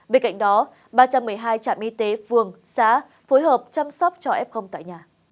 bên cạnh đó ba trăm một mươi hai trạm y tế phường xã phối hợp chăm sóc cho f tại nhà